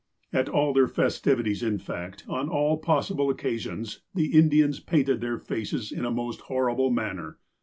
At all their festivities, in fact, on all possible occa sions, the Indians painted their faces in a most horrible manner.